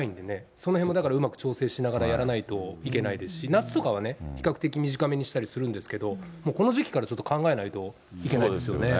そのへんも、だからうまく調整しながらやらないといけないですし、夏とかはね、比較的短めにしたりするんですけど、もうこの時期からちょっと考えないといけないですよね。